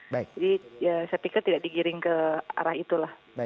jadi saya pikir tidak digiring ke arah itulah